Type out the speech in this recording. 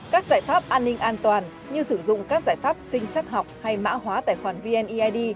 các giải pháp an ninh an toàn như sử dụng các giải pháp sinh chắc học hay mã hóa tài khoản vneid